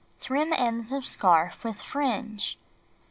Trim ends of scarf with fringe.